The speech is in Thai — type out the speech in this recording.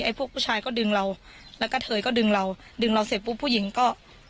พวกผู้ชายก็ดึงเราแล้วก็เทยก็ดึงเราดึงเราเสร็จปุ๊บผู้หญิงก็